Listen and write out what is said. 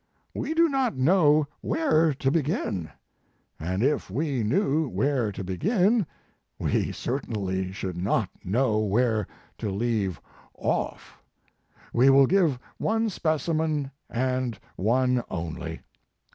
We do not know where to begin. And if we knew where to begin, we certainly should not know where to leave off. We will give one specimen, and one only.